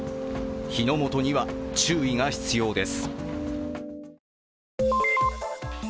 火の元には注意が必要です。